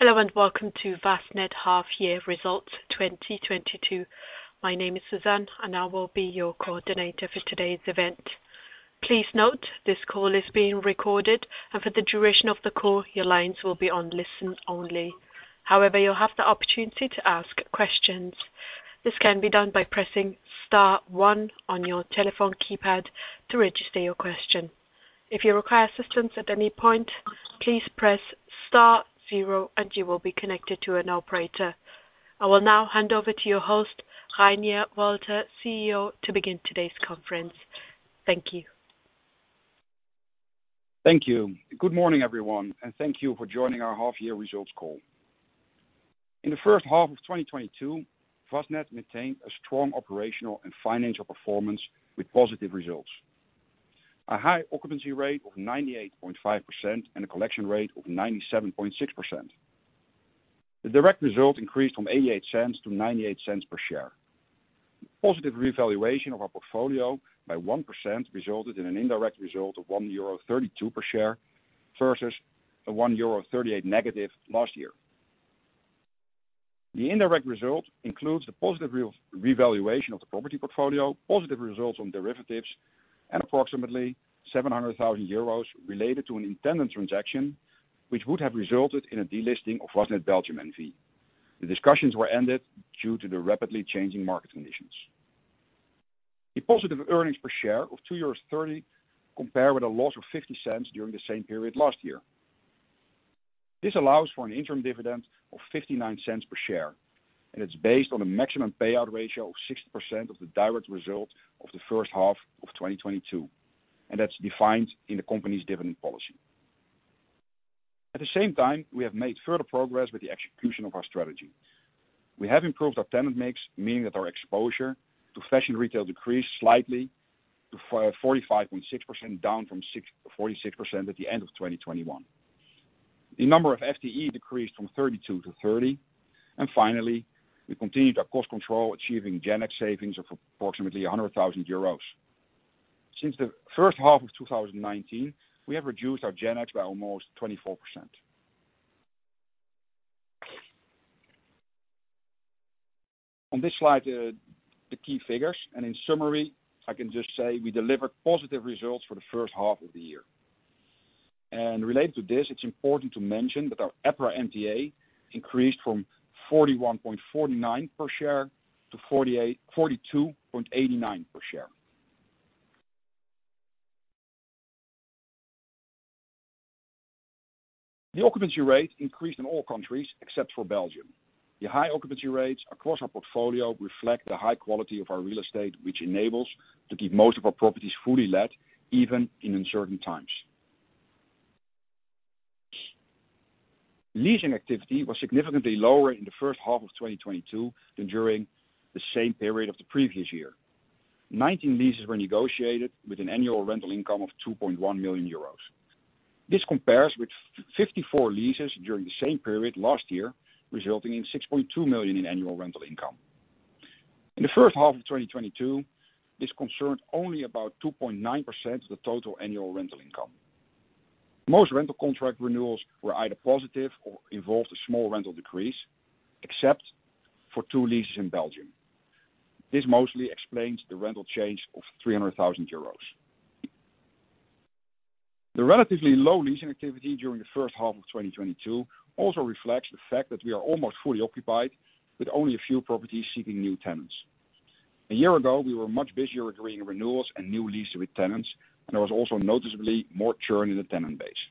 Hello, and welcome to Vastned half year results 2022. My name is Suzanne, and I will be your coordinator for today's event. Please note this call is being recorded, and for the duration of the call, your lines will be on listen only. However, you'll have the opportunity to ask questions. This can be done by pressing star one on your telephone keypad to register your question. If you require assistance at any point, please press star zero, and you will be connected to an operator. I will now hand over to your host, Reinier Walta, CEO, to begin today's conference. Thank you. Thank you. Good morning, everyone, and thank you for joining our half year results call. In the first half of 2022, Vastned maintained a strong operational and financial performance with positive results. A high occupancy rate of 98.5% and a collection rate of 97.6%. The direct result increased from 0.88 to 0.98 per share. Positive revaluation of our portfolio by 1% resulted in an indirect result of 1.32 euro per share versus a -1.38 euro last year. The indirect result includes the positive revaluation of the property portfolio, positive results on derivatives, and approximately 700,000 euros related to an intended transaction which would have resulted in a delisting of Vastned Belgium NV. The discussions were ended due to the rapidly changing market conditions. The positive earnings per share of 2.30 euros compare with a loss of 0.50 during the same period last year. This allows for an interim dividend of 0.59 per share, and it's based on a maximum payout ratio of 60% of the direct result of the first half of 2022, and that's defined in the company's dividend policy. At the same time, we have made further progress with the execution of our strategy. We have improved our tenant mix, meaning that our exposure to fashion retail decreased slightly to 45.6% down from 46% at the end of 2021. The number of FTE decreased from 32 to 30. Finally, we continued our cost control, achieving G&A savings of approximately 100,000 euros. Since the first half of 2019, we have reduced our G&A by almost 24%. On this slide, the key figures. In summary, I can just say we delivered positive results for the first half of the year. Related to this, it's important to mention that our EPRA NTA increased from 41.49 per share to 42.89 per share. The occupancy rate increased in all countries except for Belgium. The high occupancy rates across our portfolio reflect the high quality of our real estate which enables to keep most of our properties fully let, even in uncertain times. Leasing activity was significantly lower in the first half of 2022 than during the same period of the previous year. 19 leases were negotiated with an annual rental income of 2.1 million euros. This compares with 54 leases during the same period last year, resulting in 6.2 million in annual rental income. In the first half of 2022, this concerned only about 2.9% of the total annual rental income. Most rental contract renewals were either positive or involved a small rental decrease, except for two leases in Belgium. This mostly explains the rental change of 300,000 euros. The relatively low leasing activity during the first half of 2022 also reflects the fact that we are almost fully occupied with only a few properties seeking new tenants. A year ago, we were much busier agreeing renewals and new leases with tenants, and there was also noticeably more churn in the tenant base.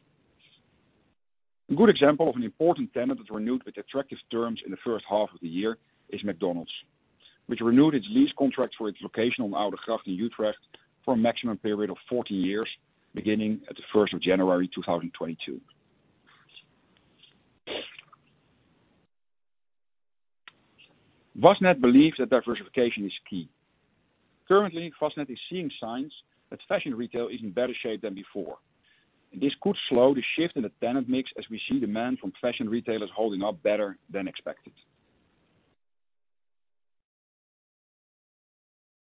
A good example of an important tenant that renewed with attractive terms in the first half of the year is McDonald's, which renewed its lease contract for its location on Oudegracht in Utrecht for a maximum period of 14 years, beginning at the first of January 2022. Vastned believes that diversification is key. Currently, Vastned is seeing signs that fashion retail is in better shape than before. This could slow the shift in the tenant mix as we see demand from fashion retailers holding up better than expected.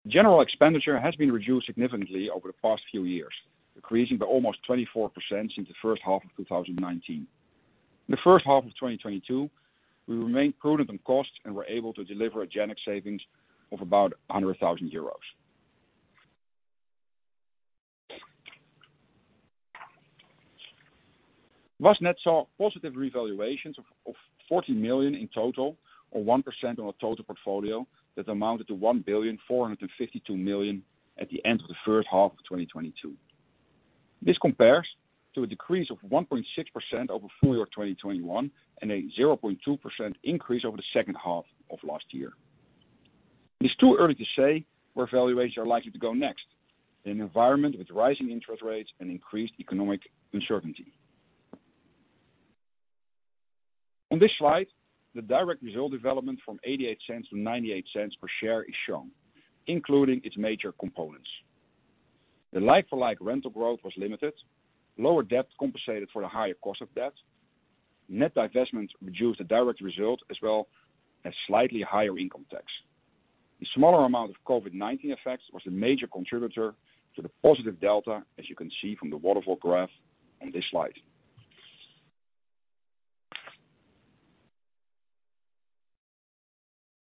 General expenditure has been reduced significantly over the past few years, decreasing by almost 24% since the first half of 2019. The first half of 2022, we remained prudent on cost and were able to deliver a G&A savings of about 100,000 euros. Vastned saw positive revaluations of 40 million in total, or 1% on our total portfolio that amounted to 1,452 million at the end of the first half of 2022. This compares to a decrease of 1.6% over full year 2021 and a 0.2% increase over the second half of last year. It's too early to say where valuations are likely to go next in an environment with rising interest rates and increased economic uncertainty. On this slide, the direct result development from 0.88 to 0.98 per share is shown, including its major components. The like-for-like rental growth was limited. Lower debt compensated for the higher cost of debt. Net divestment reduced the direct result, as well as slightly higher income tax. A smaller amount of COVID-19 effects was a major contributor to the positive delta, as you can see from the waterfall graph on this slide.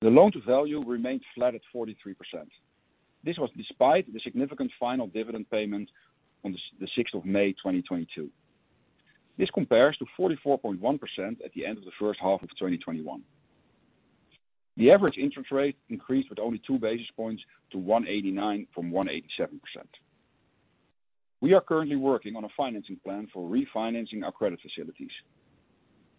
The loan-to-value remained flat at 43%. This was despite the significant final dividend payment on the 6th of May 2022. This compares to 44.1% at the end of the first half of 2021. The average interest rate increased with only 2 basis points to 1.89% from 1.87%. We are currently working on a financing plan for refinancing our credit facilities.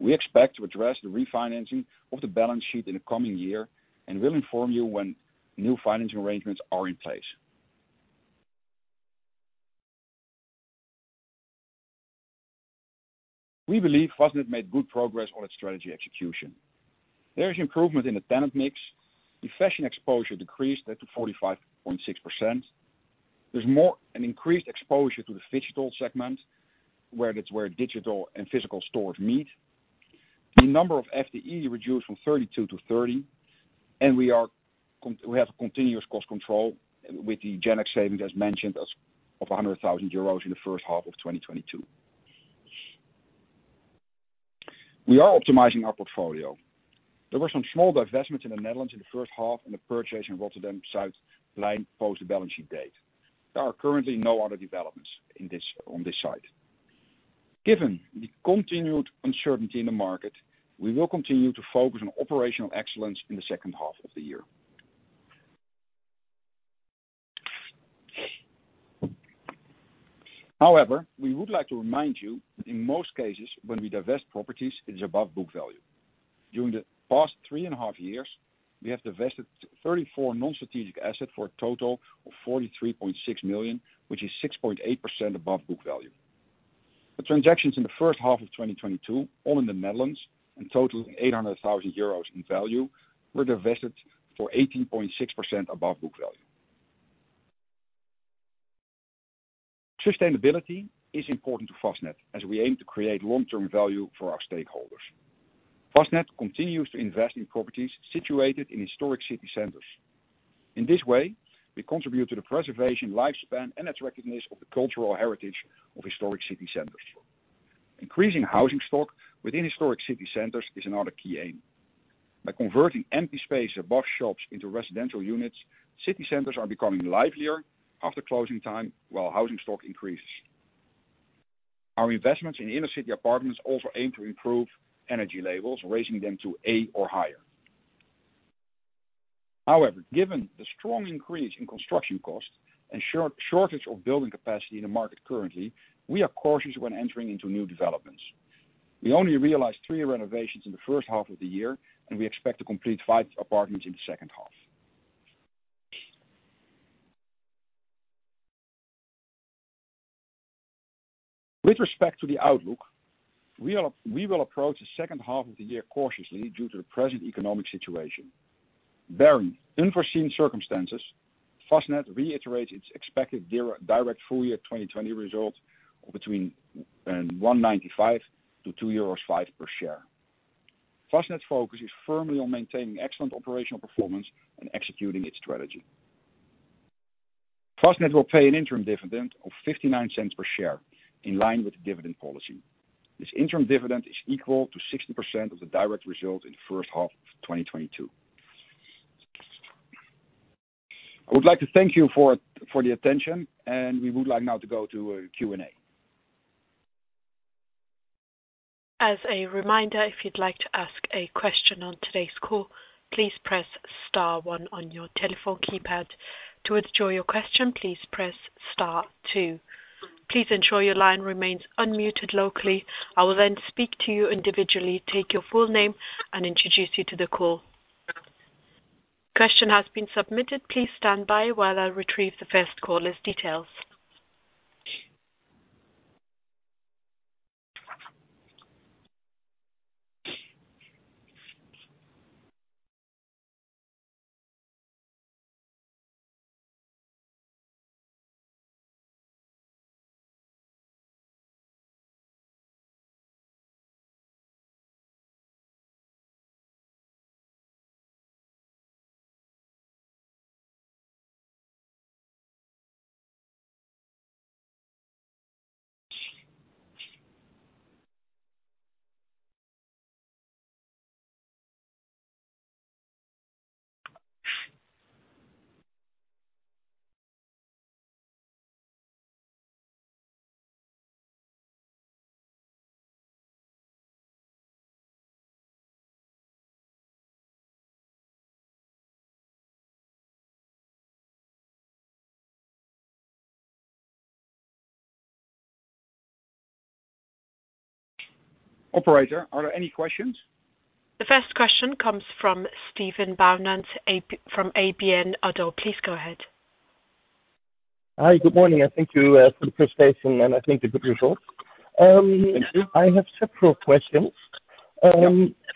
We expect to address the refinancing of the balance sheet in the coming year, and we'll inform you when new financing arrangements are in place. We believe Vastned made good progress on its strategy execution. There is improvement in the tenant mix. The fashion exposure decreased to 45.6%. There's an increased exposure to the phygital segment, where digital and physical stores meet. The number of FTE reduced from 32 to 30, and we have continuous cost control with the G&A savings, as mentioned, of 100,000 euros in the first half of 2022. We are optimizing our portfolio. There were some small divestments in the Netherlands in the first half and the purchase in Rotterdam Zuidplein post the balance sheet date. There are currently no other developments in this, on this site. Given the continued uncertainty in the market, we will continue to focus on operational excellence in the second half of the year. However, we would like to remind you that in most cases, when we divest properties, it's above book value. During the past three and a half years, we have divested 34 non-strategic assets for a total of 43.6 million, which is 6.8% above book value. The transactions in the first half of 2022, all in the Netherlands and total 800,000 euros in value, were divested for 18.6% above book value. Sustainability is important to Vastned as we aim to create long-term value for our stakeholders. Vastned continues to invest in properties situated in historic city centers. In this way, we contribute to the preservation, lifespan, and its recognition of the cultural heritage of historic city centers. Increasing housing stock within historic city centers is another key aim. By converting empty space above shops into residential units, city centers are becoming livelier after closing time while housing stock increases. Our investments in inner-city apartments also aim to improve energy labels, raising them to A or higher. However, given the strong increase in construction costs and shortage of building capacity in the market currently, we are cautious when entering into new developments. We only realized three renovations in the first half of the year, and we expect to complete five apartments in the second half. With respect to the outlook, we will approach the second half of the year cautiously due to the present economic situation. Barring unforeseen circumstances, Vastned reiterates its expected direct full year 2022 results of between 1.95-2.05 euros per share. Vastned's focus is firmly on maintaining excellent operational performance and executing its strategy. Vastned will pay an interim dividend of 0.59 per share in line with the dividend policy. This interim dividend is equal to 60% of the direct result in the first half of 2022. I would like to thank you for the attention, and we would like now to go to Q&A. As a reminder, if you'd like to ask a question on today's call, please press star one on your telephone keypad. To withdraw your question, please press star two. Please ensure your line remains unmuted locally. I will then speak to you individually, take your full name and introduce you to the call. Question has been submitted. Please stand by while I retrieve the first caller's details. Operator, are there any questions? The first question comes from Steven Boumans, from ABN ODDO. Please go ahead. Hi. Good morning, and thank you for the presentation, and I think the good results. Thank you. I have several questions.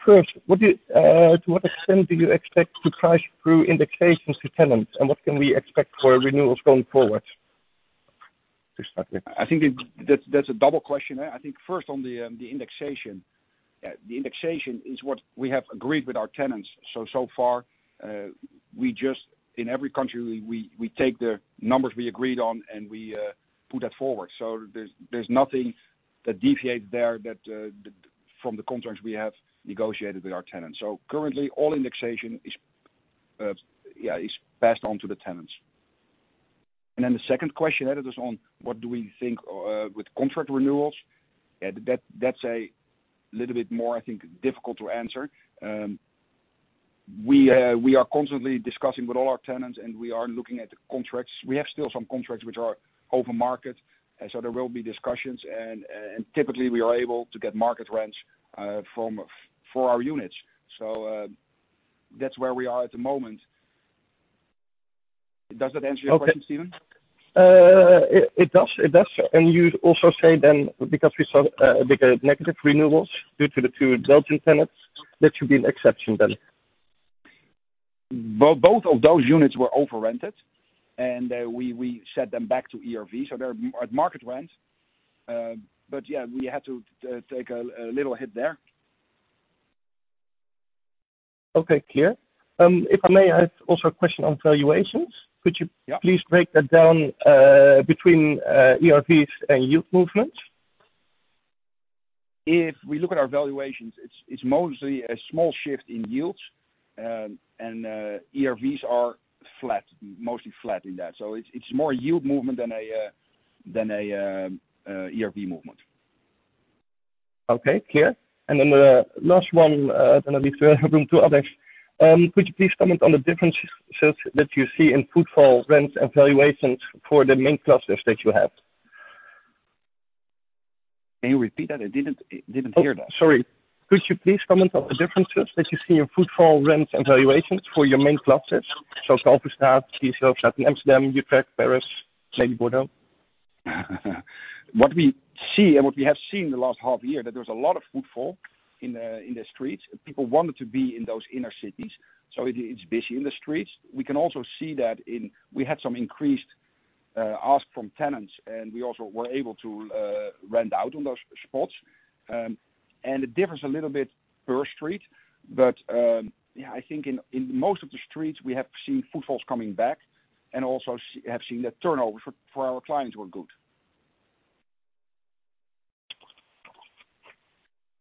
First, to what extent do you expect to price through inflation to tenants, and what can we expect for renewals going forward? I think that's a double question. I think first on the indexation. The indexation is what we have agreed with our tenants. So far, we just in every country we take the numbers we agreed on, and we put that forward. There's nothing that deviates there from the contracts we have negotiated with our tenants. Currently all indexation is passed on to the tenants. The second question that is on what do we think with contract renewals? That's a little bit more, I think, difficult to answer. We are constantly discussing with all our tenants, and we are looking at the contracts. We have still some contracts which are over market, and so there will be discussions and typically we are able to get market rents from our units. That's where we are at the moment. Does that answer your question, Steven? Okay. It does. You also say then, because we saw bigger negative renewals due to the two Belgian tenants, that should be an exception then. Both of those units were over-rented, and we set them back to ERV, so they're at market rent. But yeah, we had to take a little hit there. Okay, clear. If I may ask also a question on valuations. Could you? Yeah. Please break that down between ERVs and yield movements? If we look at our valuations, it's mostly a small shift in yields. ERVs are flat, mostly flat in that. It's more yield movement than a ERV movement. Okay, clear. The last one, then at least we have room to others. Could you please comment on the differences that you see in footfall rents and valuations for the main clusters that you have? Can you repeat that? I didn't hear that. Oh, sorry. Could you please comment on the differences that you see in footfall rents and valuations for your main clusters, so Kalverstraat, Zuidas, Le Marais, Utrecht, Paris, maybe Bordeaux? What we see and what we have seen in the last half year, that there's a lot of footfall in the streets. People wanted to be in those inner cities, so it's busy in the streets. We can also see that. We had some increased ask from tenants, and we also were able to rent out on those spots. It differs a little bit per street. I think in most of the streets we have seen footfalls coming back and also have seen the turnovers for our clients were good.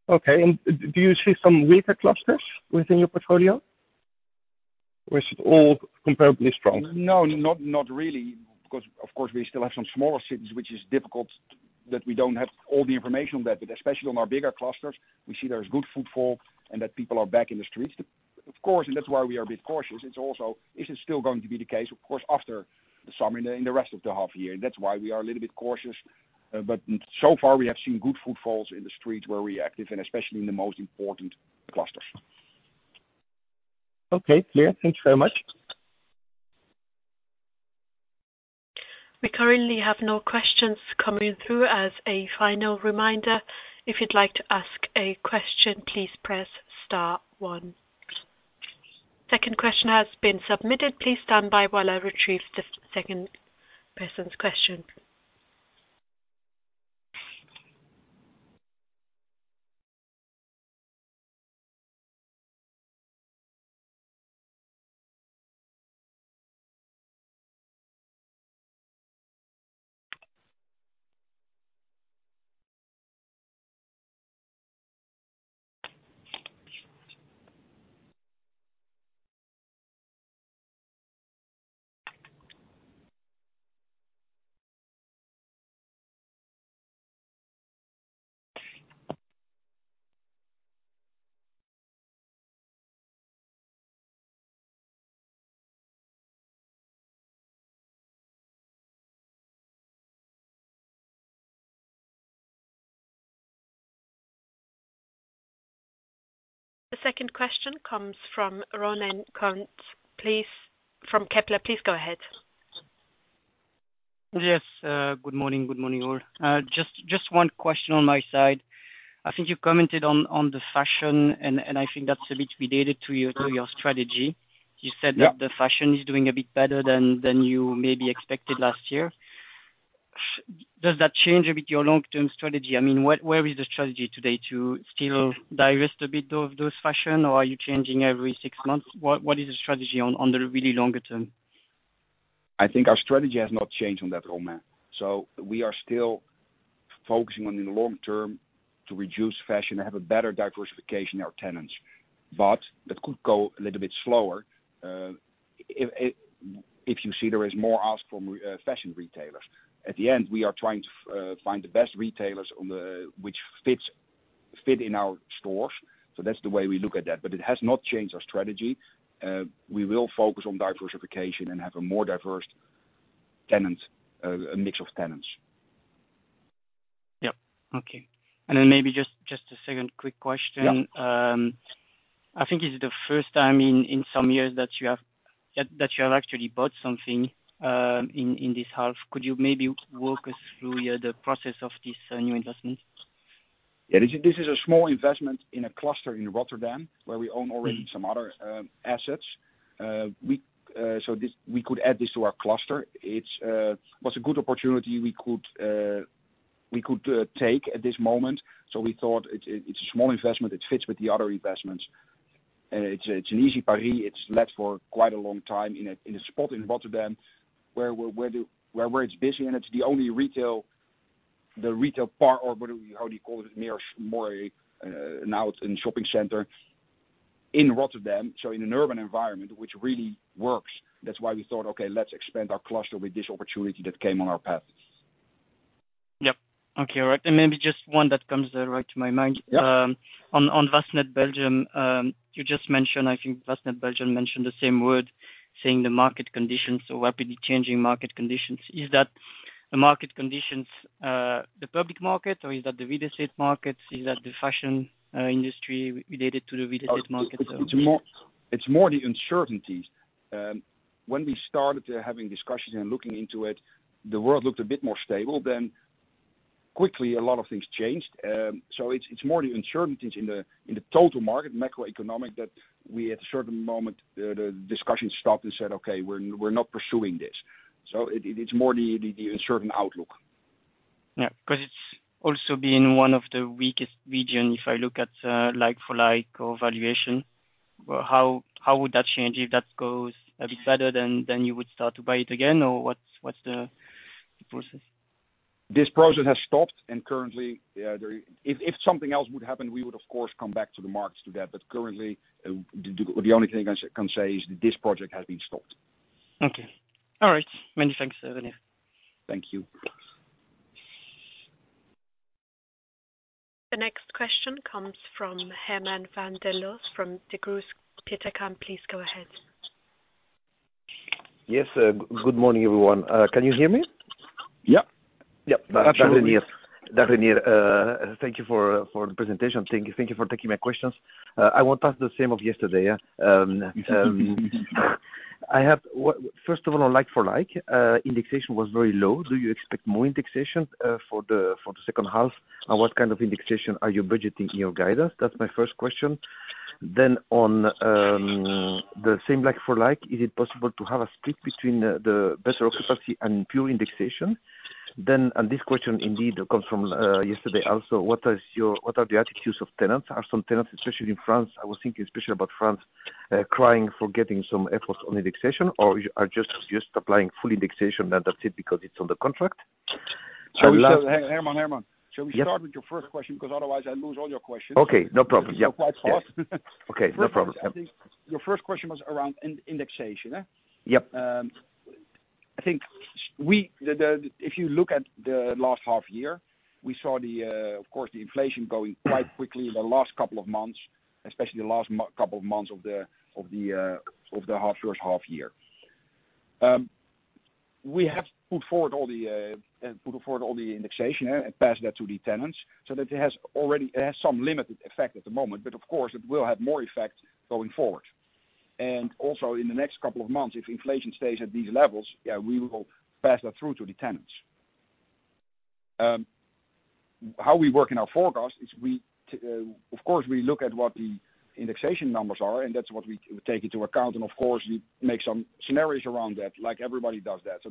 Okay. Do you see some weaker clusters within your portfolio? Or is it all comparably strong? No, not really. Because, of course, we still have some smaller cities which is difficult, that we don't have all the information on that. But especially on our bigger clusters, we see there's good footfall and that people are back in the streets. Of course, that's why we are a bit cautious. It's also, is it still going to be the case, of course, after the summer in the rest of the half year. That's why we are a little bit cautious. But so far we have seen good footfalls in the streets where we're active, and especially in the most important clusters. Okay, clear. Thank you so much. We currently have no questions coming through. As a final reminder, if you'd like to ask a question, please press star one. Second question has been submitted. Please stand by while I retrieve the second person's question. The second question comes from Romain Kumps. Please, from Kepler, please go ahead. Yes, good morning, all. Just one question on my side. I think you commented on the fashion and I think that's a bit related to your strategy. Yeah. You said that the fashion is doing a bit better than you maybe expected last year. Does that change a bit your long-term strategy? I mean, where is the strategy today? To still divest a bit of those fashion, or are you changing every six months? What is the strategy on the really longer term? I think our strategy has not changed on that, Romain. We are still focusing on the long term to reduce fashion and have a better diversification in our tenants. That could go a little bit slower. If you see there is more ask from fashion retailers. In the end, we are trying to find the best retailers that fit in our stores. That's the way we look at that. It has not changed our strategy. We will focus on diversification and have a more diverse tenant mix. Yep. Okay. Maybe just a second quick question. Yeah. I think it's the first time in some years that you have actually bought something in this half. Could you maybe walk us through the process of this new investment? Yeah. This is a small investment in a cluster in Rotterdam, where we own already some other assets. We could add this to our cluster. It was a good opportunity we could take at this moment, so we thought it's a small investment, it fits with the other investments. It's in Zuidplein. It's leased for quite a long time in a spot in Rotterdam where it's busy, and it's the only retail, the retail part or how do you call it, more renowned in shopping center in Rotterdam, so in an urban environment, which really works. That's why we thought, "Okay, let's expand our cluster with this opportunity that came on our path. Yep. Okay. All right. Maybe just one that comes right to my mind. Yeah. On Vastned Belgium. You just mentioned, I think Vastned Belgium mentioned the same word, saying the market conditions are rapidly changing market conditions. Is that the market conditions, the public market or is that the real estate markets? Is that the fashion industry related to the real estate markets or– It's more the uncertainties. When we started having discussions and looking into it, the world looked a bit more stable then. Quickly, a lot of things changed. It's more the uncertainties in the total market, macroeconomic, that we at a certain moment, the discussion stopped and said, "Okay, we're not pursuing this." It's more the uncertain outlook. Yeah. 'Cause it's also been one of the weakest region if I look at, like-for-like, or valuation. Well, how would that change if that goes a bit better, then you would start to buy it again or what's the process? This process has stopped. Currently, if something else would happen, we would, of course, come back to the markets to that. Currently, the only thing I can say is this project has been stopped. Okay. All right. Many thanks, Reinier. Thank you. The next question comes from Herman van der Loos from Degroof Petercam. Please go ahead. Yes. Good morning, everyone. Can you hear me? Yep. Yep. Absolutely. Rene, thank you for the presentation. Thank you for taking my questions. I won't ask the same of yesterday, yeah. First of all, like-for-like indexation was very low. Do you expect more indexation for the second half? And what kind of indexation are you budgeting in your guidance? That's my first question. Then on the same like-for-like, is it possible to have a split between the better occupancy and pure indexation? Then, this question indeed comes from yesterday also. What are the attitudes of tenants? Are some tenants, especially in France, I was thinking especially about France, crying for getting some efforts on indexation or are just used applying full indexation then that's it because it's on the contract? So last– Herman. Yep. Shall we start with your first question? Because otherwise I'll lose all your questions. Okay. No problem. Yep. They go quite fast. Okay, no problem. Yep. I think your first question was around indexation, yeah? Yep. If you look at the last half year, we saw, of course, the inflation going quite quickly in the last couple of months, especially the last couple of months of the first half year. We have put forward all the indexation and passed that to the tenants so that it has already some limited effect at the moment, but of course, it will have more effect going forward. Also, in the next couple of months, if inflation stays at these levels, yeah, we will pass that through to the tenants. How we work in our forecast is we, of course, we look at what the indexation numbers are, and that's what we take into account. Of course, we make some scenarios around that, like everybody does that.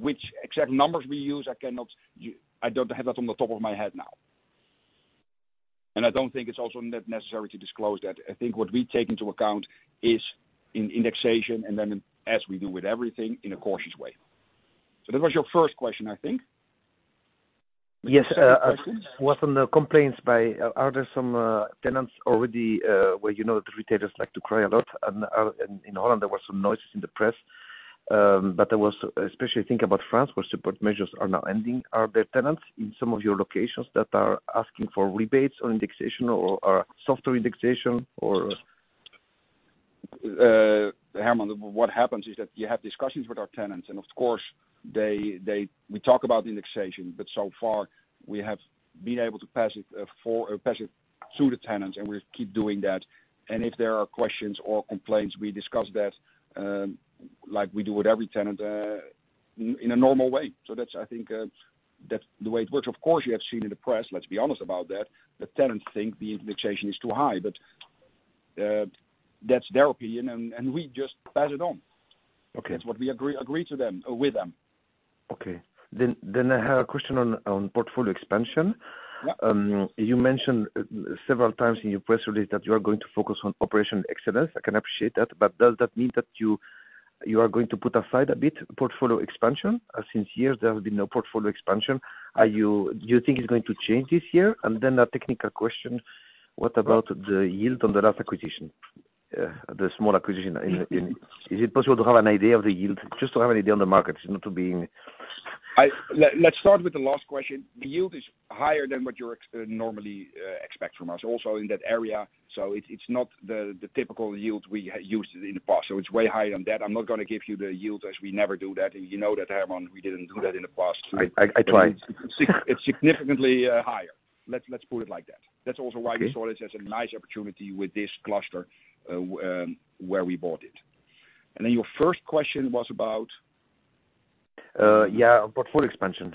Which exact numbers we use, I don't have that on the top of my head now. I don't think it's also necessary to disclose that. I think what we take into account is indexation and then as we do with everything in a cautious way. That was your first question, I think. Yes. Second question. Are there some tenants already where you know the retailers like to cry a lot and in Holland there were some noises in the press. I was especially thinking about France, where support measures are now ending. Are there tenants in some of your locations that are asking for rebates on indexation or softer indexation or Herman, what happens is that you have discussions with our tenants, and of course, we talk about indexation, but so far we have been able to pass it through the tenants, and we keep doing that. If there are questions or complaints, we discuss that, like we do with every tenant, in a normal way. That's, I think, the way it works. Of course, you have seen in the press, let's be honest about that, the tenants think the indexation is too high, but that's their opinion and we just pass it on. Okay. That's what we agree with them. I have a question on portfolio expansion. Yeah. You mentioned several times in your press release that you are going to focus on operational excellence. I can appreciate that. Does that mean that you are going to put aside a bit portfolio expansion? For years, there have been no portfolio expansion. Do you think it's going to change this year? Then a technical question. What about the yield on the last acquisition? The small acquisition in... Is it possible to have an idea of the yield? Just to have an idea on the market, not to be in– Let's start with the last question. The yield is higher than what you normally expect from us, also in that area. It's not the typical yield we used in the past. It's way higher than that. I'm not gonna give you the yield as we never do that. You know that, Herman, we didn't do that in the past. I tried. It's significantly higher. Let's put it like that. That's also why we saw this as a nice opportunity with this cluster, where we bought it. Your first question was about. Yeah, portfolio expansion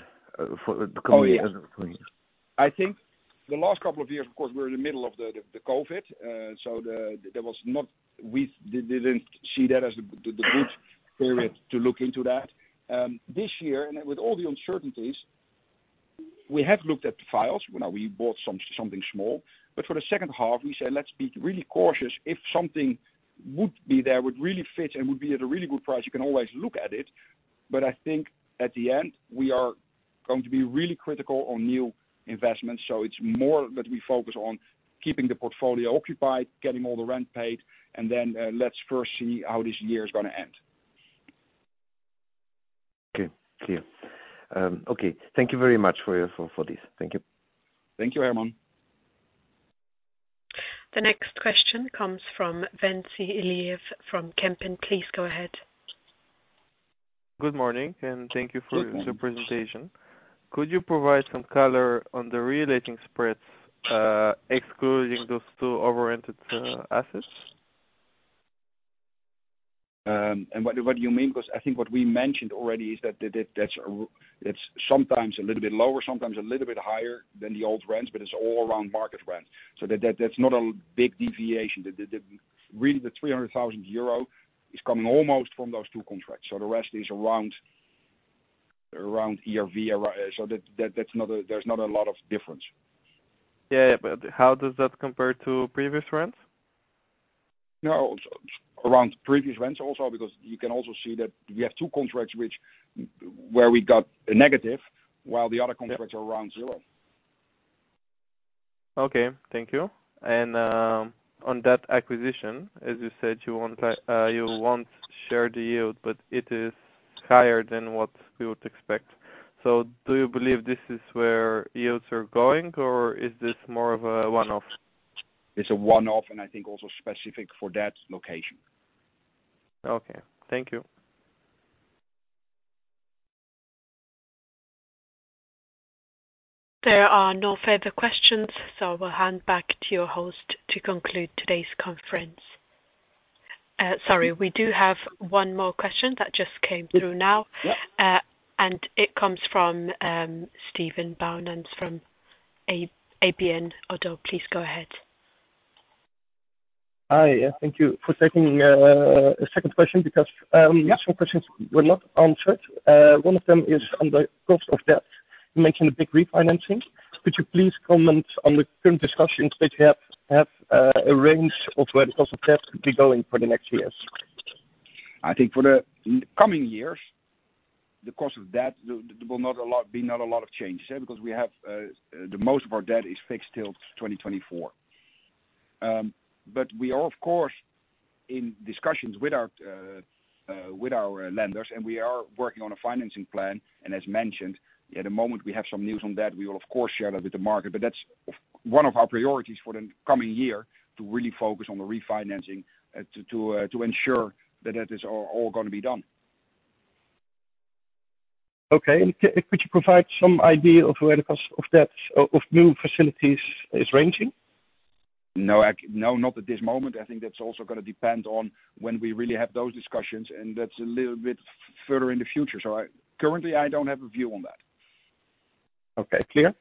for the coming years. Oh, yeah. I think the last couple of years, of course, we're in the middle of the COVID. We didn't see that as the good period to look into that. This year, and with all the uncertainties, we have looked at the files when we bought something small. For the second half we said, "Let's be really cautious." If something would be there, would really fit, and would be at a really good price, you can always look at it. I think at the end, we are going to be really critical on new investments. It's more that we focus on keeping the portfolio occupied, getting all the rent paid, and then, let's first see how this year is gonna end. Okay, clear. Okay. Thank you very much for this. Thank you. Thank you, Herman. The next question comes from Ventsi Iliev from Kempen. Please go ahead. Good morning, and thank you for– Good morning. The presentation. Could you provide some color on the reletting spreads, excluding those two oriented assets? What do you mean? Because I think what we mentioned already is that that's sometimes a little bit lower, sometimes a little bit higher than the old rents, but it's all around market rent. That's not a big deviation. Really the 300,000 euro is coming almost from those two contracts. The rest is around ERV. That's not a lot of difference. Yeah. How does that compare to previous rents? No. Around previous rents also because you can also see that we have two contracts where we got a negative while the other contracts are around zero. Okay. Thank you. On that acquisition, as you said, you won't share the yield, but it is higher than what we would expect. Do you believe this is where yields are going, or is this more of a one-off? It's a one-off, and I think also specific for that location. Okay. Thank you. There are no further questions, so I will hand back to your host to conclude today's conference. Sorry, we do have one more question that just came through now. Yeah. It comes from Steven Boumans from ABN ODDO. Please go ahead. Hi. Thank you for taking a second question because Yeah. Some questions were not answered. One of them is on the cost of debt. You mentioned the big refinancing. Could you please comment on the current discussions that you have a range of where the cost of debt could be going for the next years? I think for the coming years, the cost of debt will not be a lot of change. Yeah. Because we have the most of our debt fixed till 2024. We are, of course, in discussions with our lenders, and we are working on a financing plan. As mentioned, the moment we have some news on that, we will of course share that with the market. That's one of our priorities for the coming year, to really focus on the refinancing, to ensure that is all gonna be done. Okay. Could you provide some idea of where the cost of debt of new facilities is ranging? No, not at this moment. I think that's also gonna depend on when we really have those discussions, and that's a little bit further in the future. Currently, I don't have a view on that. Okay, clear.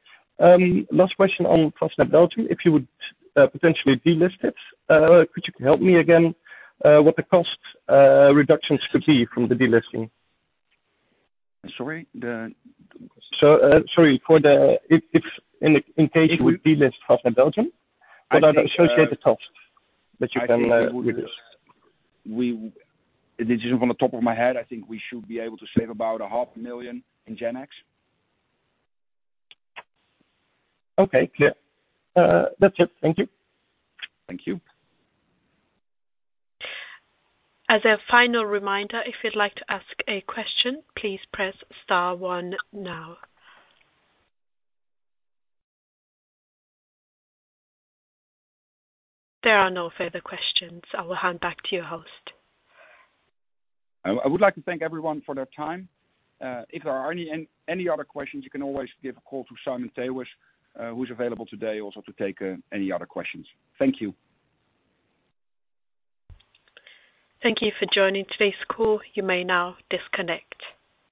Last question on Vastned Belgium. If you would potentially delist it, could you help me again, what the cost reductions could be from the delisting? Sorry? Sorry. If in case you would delist Vastned Belgium. I think. What are the associated costs that you can reduce? This is from the top of my head, I think we should be able to save about 500,000 in G&A. Okay. Clear. That's it. Thank you. Thank you. As a final reminder, if you'd like to ask a question, please press star one now. There are no further questions. I will hand back to your host. I would like to thank everyone for their time. If there are any other questions, you can always give a call to Simon Teeuwes, who's available today also to take any other questions. Thank you. Thank you for joining today's call. You may now disconnect.